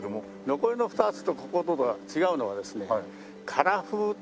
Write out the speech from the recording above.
残りの２つとこことが違うのはですね。